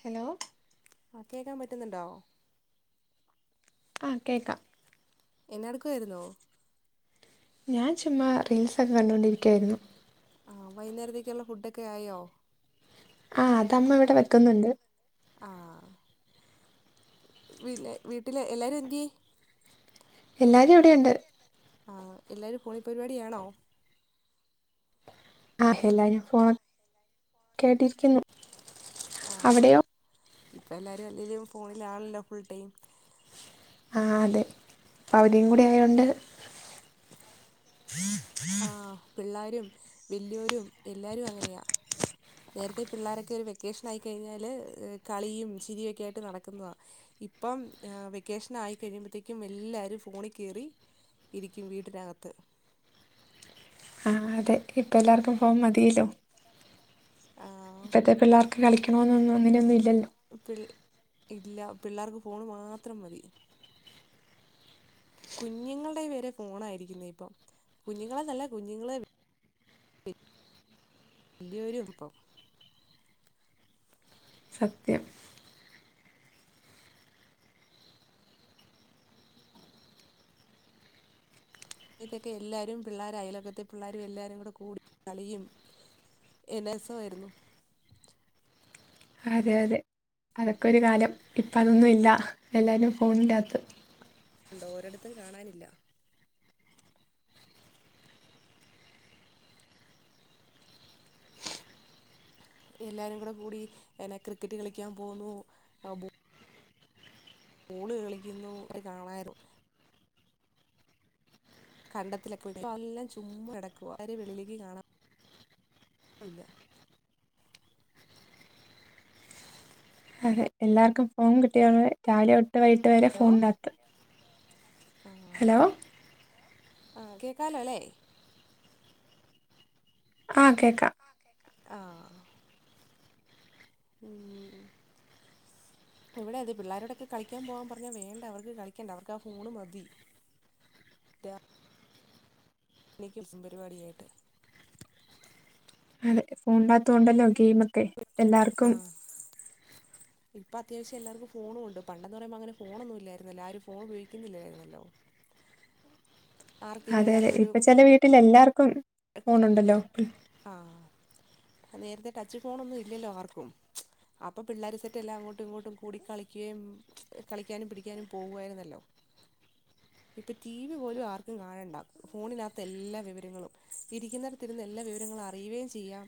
Hello ആ കേക്കാൻ പറ്റുന്നുണ്ടോ ആ കേൾക്കാം എന്നടക്കമായിരുന്നോ ഞാൻ ചുമ്മാ റീൽസൊക്കെ കണ്ടുകൊണ്ടിരിക്കുകയായിരുന്നു ആ വൈകുന്നേരത്തേക്കുള്ള ഫുഡൊക്കെ ആയോ ആഹ അതമ്മ ഇവിടെ വെക്കുന്നുണ്ട് ആഹ പിന്നെ വീട്ടില് എല്ലാരുന്ത്യ ഏ എല്ലാവരും ആഹ ഇവിടെയുണ്ട് എല്ലാരും ഇവിടിണ്ട് എല്ലാരും ഹോണി പരിപാടിയാണോ ആഹ് ഹെല്ലാരു ഫോൺ കേട്ടിരിക്കുന്നു ആ അവിടെയോ ഇപ്പം എല്ലാവരും അല്ലെങ്കലും ഫോണിലാണല്ലോ ഫുൾ ടൈം ആ അതെ അവധീം കൂടി ആയോണ്ട് അവധിം കൂടാ ഉം [unintelligible] ആ പിള്ളോരും വലിയരും എല്ലാരും അങ്ങനെയാ നേരത്തെ പിള്ളോരൊക്കെ ഒരു വെക്കേഷൻ ആയി കഴിഞ്ഞാല് കളിയും ചിരിയയും ഒക്കെ ആയിട്ട് നടക്കുന്നത ഇപ്പം വെക്കേഷൻ ആയി കഴിയുമ്പോത്തേക്കും എല്ലാരും ഫോണിൽ കയറി ഇരിക്കും വീട്ടിനകത്ത് ആ അതെ ഇപ്പ എല്ലാവർക്കും ഫോം മതിയല്ലോ ഫോൺ ഇപ്പത്തെ പിള്ളേർക്ക് കളിക്കണമെന്നൊന്നും അനെയൊന്നും ഇല്ലോ പി ഇല്ല പിള്ളേർക്ക് ഫോണ് മാത്രം മതി കുഞ്ഞുങ്ങളുടെ പേരെ ഫോണായിരിക്കുന്ന ഇപ്പൊ കുഞ്ഞുങ്ങളെ നല്ല കുഞ്ഞുങ്ങളെ വലിയൊരു ഇപ്പം സത്യം അത്തൊക്കെ എല്ലാരും പിള്ളാരും അലൊകത്തെ പിള്ളേരും എല്ലാരും കൂടെ കൂടി കളിയും എന്തെ സായിരുന്നു അതെ അതെ അതൊക്കെ ഒരു കാലം ഇപ്പം അതൊന്നുമല്ല എല്ലാവരും ഫോണി്കത്ത് ണ്ടോ ഓരിടത്തും കാണാനില്ല എല്ലാരും കൂടെ കൂടി എന്ന ക്രിക്കറ്റ് കളിക്കാൻ പോകുന്നു ബോള് കളിക്കുന്നു ഒ കാണാരുന്നു കണ്ടത്തിലൊക്കെ പോ എല്ലാം ചുമ്മ കടക്കുവ അവരെ വെളിയിലേക്ക് കാണാൻല്ല എല്ലാർക്കും ഫോൺ കിട്ടിയ രാവെ ഒട്ട് വൈകിട്ട് വരെ ഹലോ ഫോൺ നാത്ത് ആ ആ കേക്കാലോ അല്ലേ ആഹ കേക്കാം ആഹ ഉം ഇവിടെ അതെ പിള്ളോരരോടൊക്കെ കളിക്കാൻ പോകാൻ പറഞ്ഞാ വേണ്ട അവർക്ക് കളിക്കണ്ട അവർക്ക് ആ ഫോണ് മതി എനിക്കസും പരിപാടിയായിട്ട് അതെ ഫോൺ നാത്തുംണ്ടല്ലോ ഗെയിമ ഒക്കെ എല്ലാവർക്കും ഇപ്പൊ അത്യാവശ്യംല്ലാവർക്കും ഫോ ഉണ്ട് പണ്ടെന്ന് പറുമ്പൾ അങ്ങന ഫോൊന്നും ഇായിരുന്നില്ല ആ ഒരു ഫോ ഉപയോഗിക്കുന്നില്ലായിരുന്നല്ലോ ആർക്കേലും അതെ അതെ ഒരാൾക്കൊരു ഇപ്പൊ ചെല വീട്ടിൽ എല്ലാർക്കും ഫോണെണ്ടല്ലോ ആ നേരത്തെ ടച്ച് ഫോണൊന്നും ഇല്ലല്ലോ ആർക്കും അപ്പം പിള്ളേരെ സെറ്റ എല്ലാം അങ്ങോട്ടും ഇങ്ങോട്ടും കൂടി കളിക്കുകയും കളിക്കാനും പിടിക്കാനും പോകുയിരുന്നല്ലോ ഇപ്പൊ ടി വി പോലും ആർക്കും കാണണ്ട ഫോണിനകത്ത എല്ലാ വിവരങ്ങളും ഇരിക്കുന്നവടത്തിരുന്ന് എല്ലാ വിവരങ്ങളും അറിയുകയും ചെയ്യാം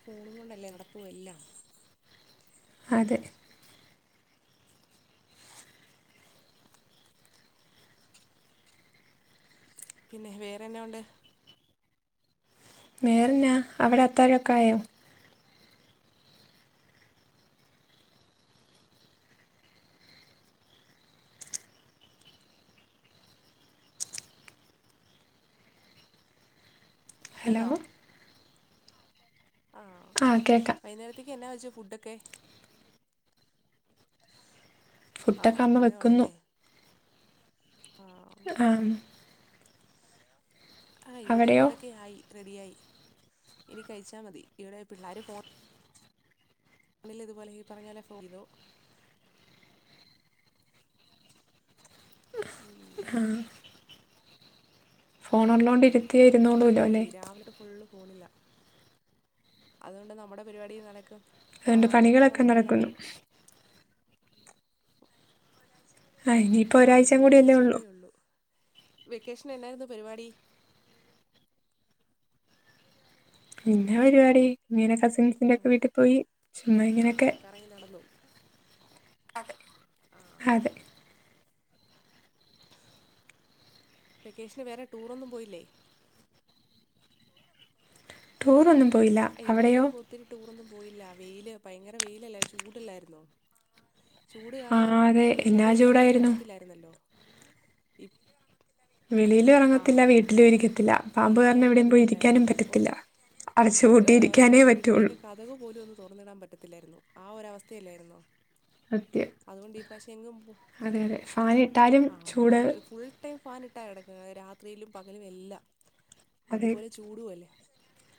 ഫൂണും കൊണ്ടല്ലേ നടപ്പ എല്ലാം അതെ പിന്നെ വേറെന്നെയ ഉണ്ട് വേറെന്നാ അവിടെ അത്താഴൊക്കെ ആയോ ഹലോ ണ്ടാവ അഹ് കേക്കാ ആഹ കേക്കാം വൈകുന്നേരത്തേക്ക് എന്നാ വെച്ചു ഫുഡൊക്കെ ആഹ ഫുഡൊക്കെ അമ്മ വിെക്കുന്നതേ വെക്കുന്നു ഉള്ളല്ലേ ആ ആ് ഇവിടെ അവിടെയോ ഫുഡൊക്കെ ആയി റെഡിയ ആയി എനി കഴിച്ചാൽ മതി ഇടെ പിള്ളേർ ഇന്നലെ ഇതുപോലെ ഈ പറഞ്ഞ പോലെ ഫോൺ ചെയ്തു മ ഫോണൊള്ളോണ്ടരിക്ക ക്കെ ഇരുന്നോളും മതി രാവിലെതൊട്ട് ഫുള്ള് ഫോണില്ല അതുകൊണ്ട് നമ്മുടെ പരിപാടി നടക്കും ആ അതുകൊണ്ട് നമ്മുടെ പണികളൊക്കെ പണികളെല്ലാം നടക്കുന്നു നടക്കും [inaudible] ആ ഇനിയിപ്പോ ആ ഒരാഴച ഇനി കൂടിയല്ലേ ഒരാഴ്ചയും ഉള്ളൂ കൂടി വെക്കേഷൻ എന്നായിരുന്നു പരിപാടി എന്നെ പരിപാടി ഇങ്ങനെ കസിൻസിന്റെക്കെ വീട്ടിൽ പോയി ചുമ്മാ ആ ഇങ്ങനെയൊക്കെ കറങ്ങി നടന്നു അതെ ആ അതെ വെക്കേഷന് വേറെ ടൂറൊന്നും പോയില്ലേ ടൂർ ഒന്നും പോയില്ല ഇവിടെ അവിടെയോ ഒത്തിരി ടൂറൊന്നും പോയില്ല വെയില് ഭയങ്കര വെയിലല്ല ചൂടല്ലായിരുന്നോ ചൂട് ആ കാരണം അതെ എന്നാ വെളിയിലേക്ക് ഇറങ്ങാൻ ചൂടായിരുന്നു പറ്റത്തില്ലായിരുന്നല്ലോ ഇ വെളിയിലും ഇറങ്ങത്തില്ല വീട്ടിലും ഇരിക്കത്തില്ല പാമ്പ് കാരണം ഇരിക്കാനും എവിടെ പോയി ഇരിക്കാനും പറ്റത്തില്ലായിരുന്നല്ലോ ഒരു പറ്റത്തില്ല അടച്ചുപൂട്ടിയിരിക്കാനേ പറ്റുള്ളൂ കഥക പോലും ഒന്ന് തുറന്നിടാൻ പറ്റത്തില്ലായിരുന്നു ആ ഒരവസ്ഥയല്ലായിരുന്നോ സത്യം അതുകൊണ്ട് ഈ പ്രാവശ്യം എങ്ങും അതെ അതെ ഫാൻ ഇട്ടാലും ആ ചൂട് ഫുൾ ടൈം ഫാൻ ഇട്ടാ കിടക്കണെ രാത്രിയിലും പകലും എല്ലാം അതെ അതുപോലെ ചൂടു അല്ലേ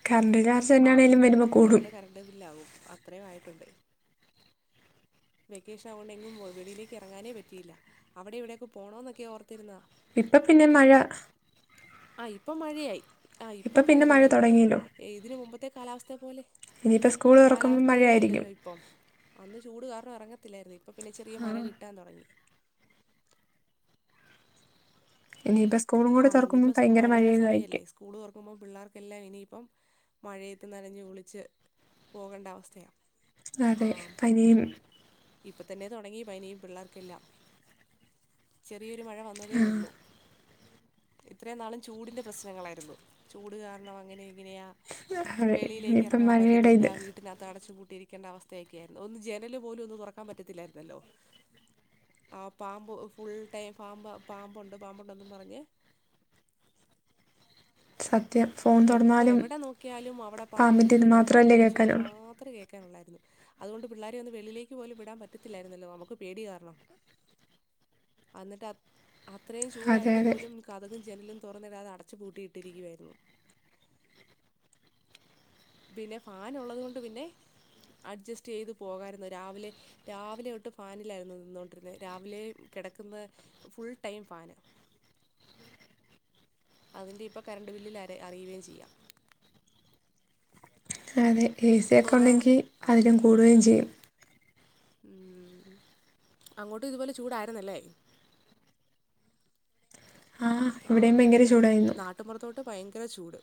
കറണ്ട് ചാർജ് ആഹ തന്നെയാണേലും വരുമ്പോൾ കൂടും നല്ല കര ബില്ല ആകും അത്രയും ആയിട്ടുണ്ട് വെക്കേഷൻ ആവുകൊണ്ടെങ്കും വെളിയിലേക്ക് ഇറങ്ങാനേ പറ്റിയില്ല അവിടെ ഇവിടെയൊക്കെ പോണോന്നൊക്കെയ ഓർത്തിരുന്നാ ഇപ്പൊ പിന്നെ മഴ ആ ഇപ്പൊ മഴയായി ആ ഇപ്പം മഴ തുടങ്ങിയേ ഇതിന് മുമ്പത്തെ കാലാവസ്ഥ പോലെ ഇനിയിപ്പോൾ സ്കൂൾ തുറക്കുമ്പോൾ കാലാവസ്ഥയേ മഴയായിരിക്കും അല്ലല്ലോ ഇപ്പം അന്ന് ചൂട് കാരണം ഇറങ്ങത്തില്ലായിരുന്നു ഇപ്പൾ പിന്നെ ചെറിയ മഴ കിട്ടാൻ തുടങ്ങി ഇനി ഇപ്പ സ്കൂളും കൂടി തുറക്കുമ്പോം ഭയങ്കര മഴയായിരിക്കും സ്കൂള് തുക്കുമ്പോം പിള്ളേർക്കെല്ലാം ഇനിയിപ്പം മഴയേത്ത് നനഞ്ഞ് കുളിച്ച് പോകേണ്ട അവസ്ഥയാണ് അതെ പനി ഇപ്പ തന്നെ തുടങ്ങി പനിയും പിള്ളേർക്കെല്ലാം ചെറിയൊരു മഴ വന്നതേ ഉള്ളൂ ഇത്രയും നാളും ചൂടിന്റെ പ്രശ്നങ്ങളായിരുന്നു ചൂട് കാരണം അങ്ങനെ ഇങ്ങനെയാ അതെ വെളിയിലേക്ക് ഇനിയിപ്പം ഇറങ്ങാൻ മഴയുടെ പറ്റത്തില്ല ഇത് വീട്ട വീട്ടിനകത്ത് അടച്ചുപൂട്ടിയിരിക്കേണ്ട അവസ്ഥയൊക്കെ ആയിരുന്നു ഒന്ന് ജനല് പോലും ഒന്ന് തുറക്കാൻ പറ്റത്തില്ലായിരുന്നല്ലോ ആ പാമ്പ് ഫുൾ ടൈം പാമ്പ് പാമ്പുണ്ട് പാമ്പുണ്ടൊന്നും പറഞ്ഞ് സത്യം ഫോ എപ്പ എവിടെ നോക്കിയാലും അവിടെ പാമ്പ് പാമ്പിൻ്റെ കടിച്ചു ഇത് ഇവിടെ പാമ്പ് മാത്രമല്ലേ കടിച്ചു എന്ന് കേൾക്കാനുള്ളൂ മാത്രമേ കേൾക്കാനുള്ളായിരുന്നു അതുകൊണ്ട് പിള്ളാരെ ഒന്ന് വെളിയിലേക്ക് പോലും വിടാൻ പറ്റത്തില്ലായിരുന്നല്ലോ നമക്ക് പേടി കാരണം അന്നിട്ട് അത്രയും അതെ ചൂടായിട്ട് അതെ പോലും കഥകും ജനലും തുറന്നിടതെ അടച്ചുപൂട്ടിയിട്ടിരിക്കുകയായിരുന്നു പിന്നെ ഫൻ ഉള്ളത്കൊണ്ട് പിന്നെ അഡ്ജസ്റ്റ് ചെയ്ത് പോകാമായിരുന്നു രാവിലെ രാവിലെ തൊട്ട് ഫാനിലായിരുന്നു നിന്നോണ്ടിരുന്ന രാവിലെ കിടക്കുന്ന ഫുൾ ടൈം ഫാന് അതിന്റെ ഇപ്പൊ കറണ്ട് ബില്ലില് അറി അറിയുകേയ ചെയ്യാം അതെ എ സിയ ഒക്കെ ഉണ്ടെങ്കിൽ ആ അതിലും കൂടുകയും ചെയ്യും ഉം അങ്ങോട്ട് ഇതുപോലെ ചൂടായിുന്നല്ലേ ആ ഇവിടെയും ആഹ ഭയങ്കര ചൂടായിരുന്നു നാട്ടപുറത്തോട്ട് ഭയങ്കര ചൂട്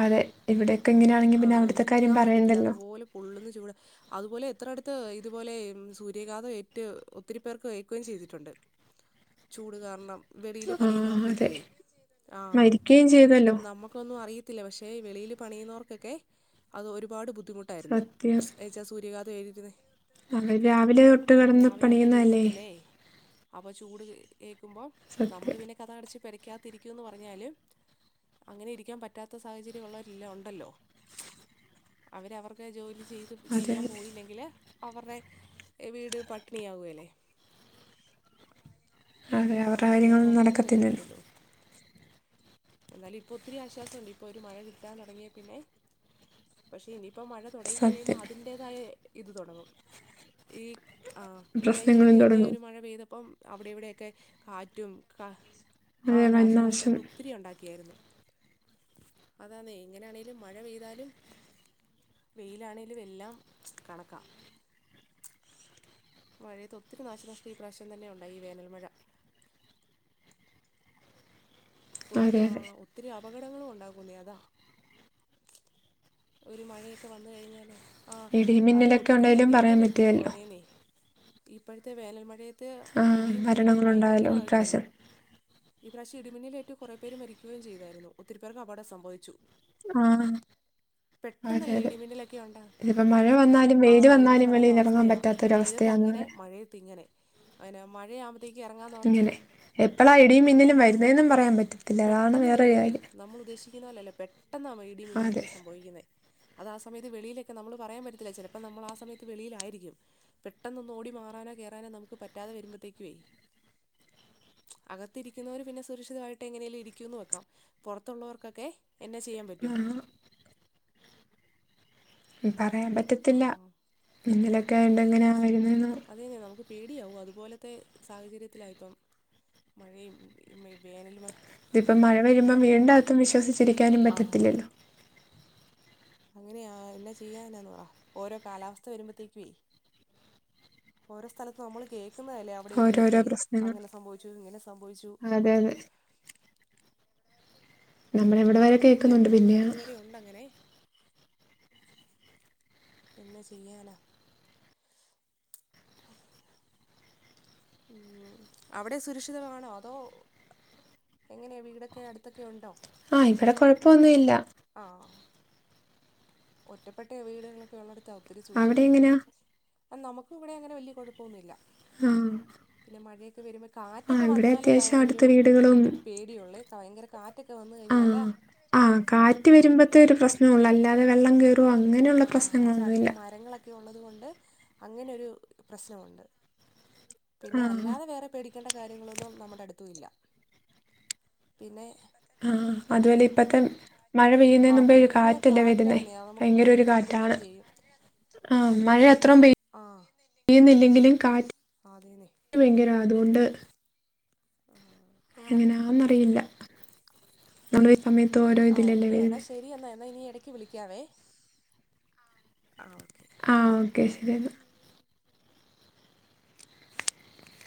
അതെ ഇവിടെൊക്കെ എങ്ങനെയാണെങ്കിൽ പിന്നെ അവിടുത്തെ കാര്യം പറയണ്ടല്ലോ ഉള്ളുന്ന് ചൂടെ അതുപോലെ എത്ര അടുത്ത് ഇതുപോലെ സൂര്യഘാതം ഏറ്റ ഒത്തിരി പേർക്ക് കയക്കുകയും ചെയ്തിട്ടുണ്ട് ചൂട് കാരണം വെളിൽ ആ അതെ പണിയുന്നവർക്കൊക്കെ ആഹ മരിക്കുകയും ചെയ്തല്ലോ നമ്മക്ക് ന്നും അറിയതില്ല പക്ഷേ വെളിയിൽ പണുന്നവർക്കൊക്കെ അത് ഒരുപാട് ബുദ്ധിമുട്ടായിരുന്നു സത്യം ചാ സൂര്യാതഏൽക്കുന്നെ ന രാവിലെ തോട്ട് കിടന്ന് പണിയുന്നതല്ലെ അപ്പൾ ചൂട് കേഏക്കുമ്പോൾ സത്യം നമ്മള് പിന്നെ കഥക് അടച്ച് പേരക്കാത്തിരിക്കുംന്ന് പറഞ്ഞാല് അങ്ങനെ ഇരിക്കാൻ പറ്റാത്ത സാഹചര്യം ഉള്ളവരില്ല ഉണ്ടല്ലോ അവരവർക്ക് ജോലി ചെയ്ത് അതെ ചെയ്യാൻ അതെ പോയില്ലെങ്കില് അവരുടെ വീട് പട്ടിണിയകുയല്ലേ അതെ ആഹ അവരുടെ അങ്ങനെ കാര്യങ്ങളൊന്നും നോക്കാനും നടക്കത്തില്ലല്ലോ പറ്റത്തില്ലല്ലോ എന്നാലും ഇപ്പോൾ ഒത്തിരി ആശ്വാസംുണ്ട് ഇപ്പോൾ ഒരു മഴ കിട്ടാൻ തുടങ്ങിയ പിന്നെ പക്ഷെ ഇനിയിപ്പോ മഴ തുടങ്ങി കഴിയുമ്പോ സത്യം അതിന്റേതായ ഇത് തുടങ്ങും ഈ ആ ഈ കഴിഞ്ഞടയ്ക്ക് പ്രശ്നങ്ങളും തന്നെ തുടങ്ങും ഒരു മഴ പെയ്തപ്പം അവിടെ എവിടെൊക്കെ കാറ്റും കാ ആ അതെ വൻ നാശം നാശനഷ്ടങ്ങൾ ഒത്തിരി ഉണ്ടായി ക്കെയിരുന്നുഅതന്നെ എങ്ങനനങ്കില് മഴ പെയ്താലും വെയിലാണെങ്കിലും എല്ലാം കണക്കാം മഴയത്ത് ഒത്തിരി നാശനഷ്ടം ഈ പ്രാവശ്യം തന്നെയുണ്ടായി ഈ വേനൽമഴ ഒ അതെ അതെ ഒത്തിരി അപകടങ്ങളും ഉണ്ടാകുന്നേ അതാ ഒരു മഴയൊക്കെ വന്ന് കഴിഞ്ഞാലേ? ആഹ് അത് ഇടിമിന്നലൊക്കെ ഒത്തിരി ഉണ്ടായാലും പറയാൻ ഇടിമിന്നലേറ്റു പറ്റുകയല്ലോ അതേന്നെ ഇപ്പഴത്തെ വേനൽമഴെ ത്തെ ആ ഇടിയും മിന്നലും മരണങ്ങളുണ്ടായല്ലോ ഭയങ്കരവായിട്ടൊണ്ട്. ഇപ്രാവശ്യം ഈ പ്രാശം ഇടിമിന്നിയിലേറ്റ് കൊറേ പേര് മരിക്കേം ചെയ്താരുന്നു ഒത്തിരി പേർക്ക് അപകടം സംഭവിച്ചു. ആഹ് അതെ പെട്ടെന്നല്ലേ അതെ ഇടിമിന്നലൊക്കെ ഉണ്ടാ ഇതിപ്പോ മഴവന്നാലും വെയില്വന്നാലും വെളില് എറങ്ങാൻ പറ്റാത്ത വെയിലത്തങ്ങനെ. മഴയത്തിങ്ങനെ. അയന്നാ മഴയാ ഇങ്ങനെ എപ്പളാ ഇടിയും മിന്നലും പെട്ടെന്ന് വര്ന്നെന്നും പറയാൻ പറ്റത്തില്ല അതാണ് പെട്ടെന്ന് വരുമെന്നേ വേറൊരുകാര്യം. നമ്മൾ ഉദ്ദേശിക്ക്‌ന്നപോല്ലല്ലേ പെട്ടെന്നാ ഇടി അതെ മിന്നിലൊക്കെ സംഭവിക്ക്‌ന്നെ. അതാ സമയത്ത് വെളിയിലൊക്കെ നമ്മള് പറയാൻ പറ്റത്തില്ല ചെലപ്പോ നമ്മളാ സയത്ത് വെളിലാരിക്കും. പെട്ടെന്നൊന്ന് ഓടി മാറാനോ കേറാനോ നമുക്ക് പറ്റാതെ വരുമ്പഴത്തേക്കുവേ അകത്തിരിക്കുന്നവര് പിന്നെ സുരക്ഷിതായിട്ട് എങ്ങനെലും ഇരിക്കൂന്ന് വെക്കാം. പൊറത്തൊള്ളൊർക്കൊക്കെ എന്നെ ചെയ്യാ ആഹ് പറയാൻ ആ, പറ്റത്തില്ല ഇന്നലൊക്കെ എണ്ടെങ്ങനെയാ വര്ന്നെന്ന്. അത് തന്നെയാ നമ്ക്ക് പേടിയാവും അതുപോലത്തെ സാഹചര്യത്തിലായിപ്പം. മഴയും ഇ മേ വേനൽമ ഇതിപ്പം മഴ വര്മ്പം വീട്ന്റാത്തും വിശ്വസിച്ചിരിക്കാനും ആ പറ്റത്തില്ലല്ലോ? അങ്ങനെയാ എന്നാ ചെയ്യാനാന്ന് പറ ഓരോ കാലാവസ്ഥ വര്മ്പത്തേക്കുവേ? ഓരോ സ്ഥലത്തും നമ്മള് കേൾക്കുന്നല്ലേ വ്ടെ ഓരോരോ ഇവ്ടെക്കെയെ പ്രശ്നങ്ങൾ അങ്ങനെ സംഭവിച്ചു. ഇങ്ങനെ സംഭവിച്ചു. അതെ അതെ നമ്മുടെ ഇവിടെ വരെ ആഹ് സത്യം കേൾക്കുന്നുണ്ട് നമ്മടെ പിന്നെ അട്ത്ത് വരെ യോ ണ്ട് അങ്ങനെ എന്നാ ചെയ്യാനാ? ഉം അവ്ടെ സുരക്ഷിതാണോ അതോ? എങ്ങനെയ വീടൊക്കെ അട്ത്തൊക്കെണ്ടോ ആഹ് ആ ഇവിടെ ഇവ്ടെ കുഴപ്പമൊന്നുമില്ല കൊഴപ്പൊന്നുല്ല ആഹ് ഒറ്റപ്പെട്ട വീട്കളൊക്കെഒള്ളടത്താ ഒത്തിരി അവിടെ സൂക്ഷിക്കേണ്ടതെ. എങ്ങനെയാ നമുക്കും ഇവ്ടെ അങ്ങനെ വല്ല്യ കൊഴപ്പൊന്നുല്ല ആം പിന്നെ മഴയൊക്കെവര്മ്പൊ കാറ്റൊക്കെ വന്നാല് ഭയ അത്യാവശ്യം ഒരു അടുത്ത വീടുകളും പേ ടിയൊള്ള് ഭയങ്കര കാറ്റൊക്കെ വന്ന് ആഹ് കഴിഞ്ഞാല് ആഹ് കാറ്റ് വരുമ്പത്തേ ഒര് പ്രശ്നൊള്ള് അല്ലാതെ വെള്ളംകേറുവോ? അങ്ങനെള്ള പ്രശ്നങ്ങളൊന്നുല്ല. ക്കെള്ളത് കൊണ്ട് അങ്ങനൊര് പ്രശ്നംഒണ്ട്. പിന്നെ ആഹ് അല്ലാതെ വേറെ പേടിക്കേണ്ട കാര്യങ്ങളൊന്നും നമ്മുടെ അടുത്തുംഇല്ല പിന്നെ ആഹ് അതുപോലെ ഇപ്പത്തെ മഴ പെയ്യുന്നേന് ആഹ് മുമ്പെ ഒര് ഭയങ്കര കാറ്റല്ലേ വര്ന്നേ കാറ്റാന്നേ അത് നമുക്ക് ഭയങ്കരഒര് ഭയങ്കരമായിട്ട് ദോഷം കാറ്റാണ്. ചെയ്യും ആഹ് മഴ അത്രോം പെ യ്യുന്നില്ലെങ്കില്. അതെന്നെ. റ്റ് ഭയങ്കരവാ അത്കൊണ്ട് ആഹ് എങ്ങനാന്നറിയില്ല ഓരോ സമയത്തും ഓരോ ഇതിലല്ലേ വര്ന്നെ. ശെരി എന്നാ എന്നാ ഇനി എടക്ക് വിളിക്കാവേ. ആഹ് ആഹ് ഓക്കെ ആഹ് ഓക്കെ ശെരി എന്നാ.